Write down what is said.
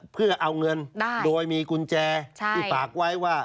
เพื่อเอาเงินโดยมีกุญแจที่ฝากไว้ว่า